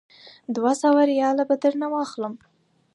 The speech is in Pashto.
دوه سوه ریاله به درنه واخلم.